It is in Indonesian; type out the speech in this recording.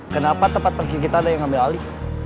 kenapa tempat pergi kita ada yang ambil alih